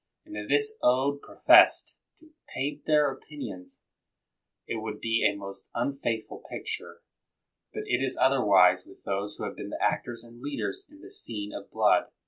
And if this ode professed to paint their opinions, it would be a most unfaith ful picture. But it is otherwise with those who have been the actors and leaders in the scene of blood.